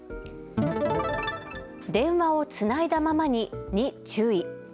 電話をつないだままにに注意。